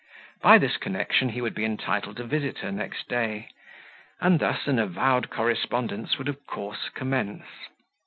By this connection he would be entitled to visit her next day, and thus an avowed correspondence would of course commence.